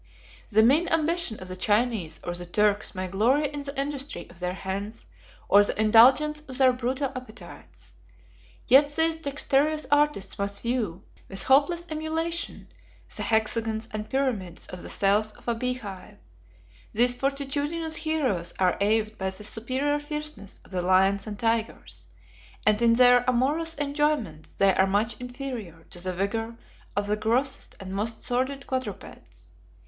The mean ambition of the Chinese or the Turks may glory in the industry of their hands or the indulgence of their brutal appetites. Yet these dexterous artists must view, with hopeless emulation, the hexagons and pyramids of the cells of a beehive: 52 these fortitudinous heroes are awed by the superior fierceness of the lions and tigers; and in their amorous enjoyments they are much inferior to the vigor of the grossest and most sordid quadrupeds.